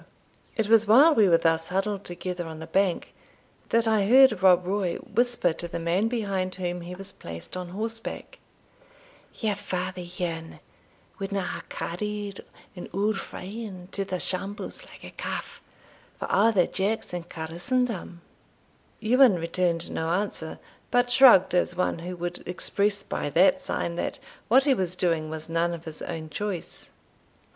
[Illustration: Escape of Rob Roy at the Ford 232] It was while we were thus huddled together on the bank that I heard Rob Roy whisper to the man behind whom he was placed on horseback, "Your father, Ewan, wadna hae carried an auld friend to the shambles, like a calf, for a' the Dukes in Christendom." Ewan returned no answer, but shrugged, as one who would express by that sign that what he was doing was none of his own choice.